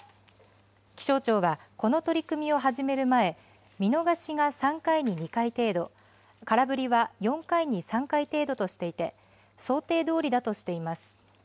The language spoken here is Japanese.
気象庁は、この取り組みを始める前、見逃しが３回に２回程度、空振りは４回に３回程度としていて、想定どおりだとしています。